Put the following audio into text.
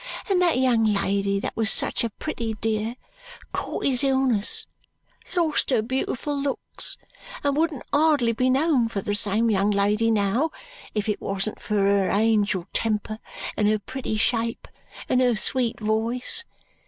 And that young lady that was such a pretty dear caught his illness, lost her beautiful looks, and wouldn't hardly be known for the same young lady now if it wasn't for her angel temper, and her pretty shape, and her sweet voice.